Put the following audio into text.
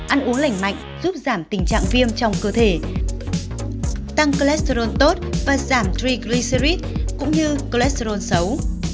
ăn uống lành mạnh giúp giảm tình trạng viêm trong cơ thể tăng cholesterol tốt và giảm reglycert cũng như cholesterol xấu